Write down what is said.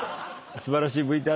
素晴らしいＶＴＲ。